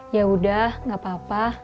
yaudah gak apa apa